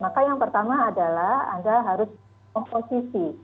maka yang pertama adalah anda harus komposisi